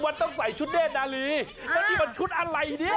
วันต้องใส่ชุดเดทนาลีวันนี้วันชุดอะไรเนี่ย